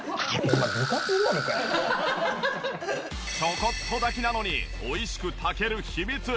ちょこっと炊きなのに美味しく炊ける秘密。